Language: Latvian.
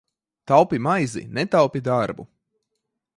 Taupi maizi, netaupi darbu!